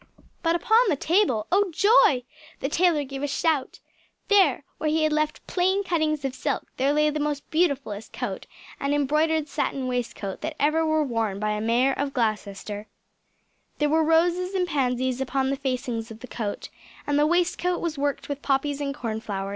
But upon the table oh joy! the tailor gave a shout there, where he had left plain cuttings of silk there lay the most beautifullest coat and embroidered satin waistcoat that ever were worn by a Mayor of Gloucester. There were roses and pansies upon the facings of the coat; and the waistcoat was worked with poppies and corn flowers.